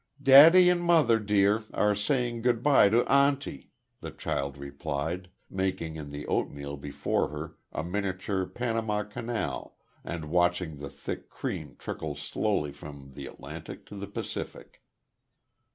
"Daddy and mother dear are saying goodbye to Auntie," the child replied, making in the oatmeal before her a miniature Panama Canal and watching the thick cream trickle slowly from the Atlantic to the Pacific.